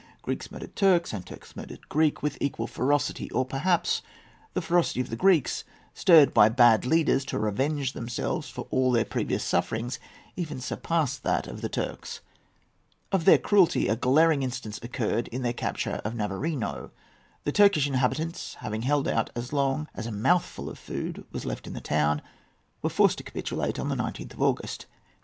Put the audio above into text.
Greeks murdered Turks, and Turks murdered Greeks, with equal ferocity; or perhaps the ferocity of the Greeks, stirred by bad leaders to revenge themselves for all their previous sufferings, even surpassed that of the Turks. Of their cruelty a glaring instance occurred in their capture of Navarino. The Turkish inhabitants having held out as long as a mouthful of food was left in the town, were forced to capitulate on the 19th of August.